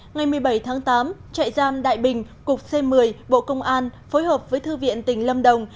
ngày một mươi bảy tháng tám trại giam đại bình cục c một mươi bộ công an phối hợp với thư viện tỉnh lâm đồng